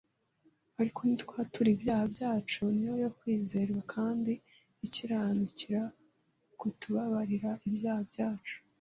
“Ariko nitwatura ibyaha byacu, ni yo yo kwizerwa kandi ikiranukira kutubabarira ibyaha byacu